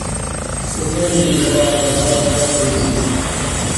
او پہلے وی ذرا آزاد خیال جئی سی